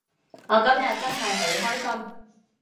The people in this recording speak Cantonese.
我今日真係好開心